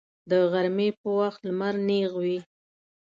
د غرمې په وخت لمر نیغ وي